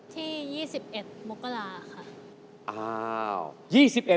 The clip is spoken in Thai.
ที่๒๑มกราค่ะ